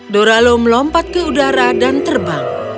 doralo melompat ke udara dan terbang